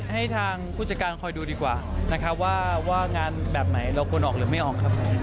ให้ทางผู้จัดการคอยดูดีกว่านะครับว่างานแบบไหนเราควรออกหรือไม่ออกครับผม